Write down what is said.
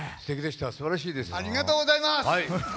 ありがとうございます！